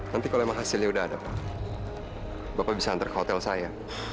nanti kalau emang hasilnya udah ada pak bapak bisa antar ke hotel saya